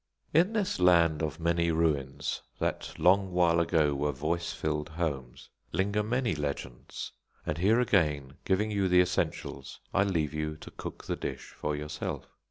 In this land of many ruins, that long while ago were voice filled homes, linger many legends; and here again, giving you the essentials, I leave you to cook the dish for yourself.